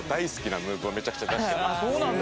そうなんだ。